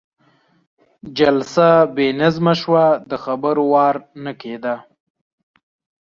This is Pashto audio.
جلسه بې نظمه شوه، د خبرو وار نه کېده.